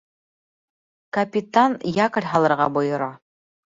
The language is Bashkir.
Капитан якорь һалырға бойора.